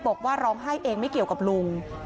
บอกว่าร้องไห้เองไม่เกี่ยวกับลุง